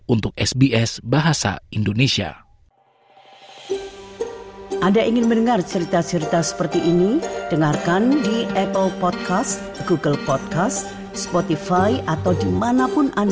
untuk sbs bahasa indonesia